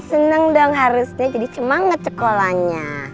senang dong harusnya jadi semangat sekolahnya